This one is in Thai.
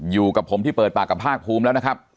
อยู่กับผมที่เปิดปากกับภาคภูมิแล้วนะครับ